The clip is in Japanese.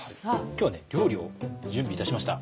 今日はね料理を準備いたしました。